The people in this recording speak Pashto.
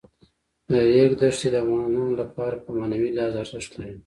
د ریګ دښتې د افغانانو لپاره په معنوي لحاظ ارزښت لري.